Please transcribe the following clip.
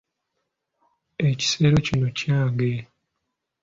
Ekisero kino kyange?